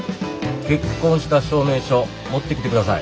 結婚した証明書持ってきてください。